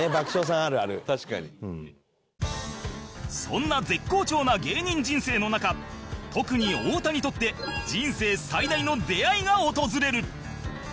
そんな絶好調な芸人人生の中特に太田にとって人生最大の出会いが訪れる